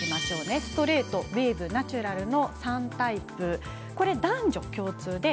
ストレート、ウエーブナチュラルの３タイプ男女共通です。